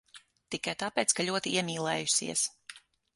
Tikai tāpēc, ka ļoti iemīlējusies.